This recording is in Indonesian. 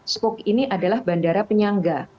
spok ini adalah bandara penyangga